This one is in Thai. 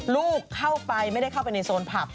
ลูกเข้าไปไม่ได้เข้าไปในโซนผับ